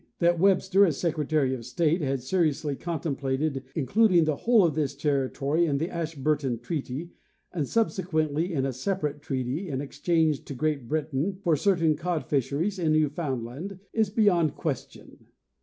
That Webster, as Secretary of State, had seriously contem plated including the whole of this territory in the Ashburton treaty, and subsequently in a separate treaty, in exchange to Great Britain for certain cod fisheries in Newfoundland is be Power of the Hudson Bay Company 251 yond question.